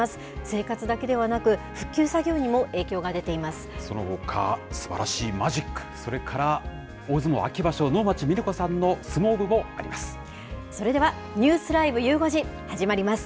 生活だけではなく、復旧作業にもそのほか、すばらしいマジック、それから大相撲秋場所、能町みね子さんの相撲部もあります。